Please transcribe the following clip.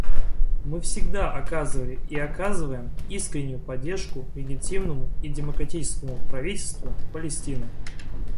Мы всегда оказывали и оказываем искреннюю поддержку легитимному и демократическому правительству Палестины.